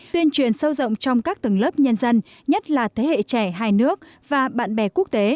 tuyên truyền sâu rộng trong các tầng lớp nhân dân nhất là thế hệ trẻ hai nước và bạn bè quốc tế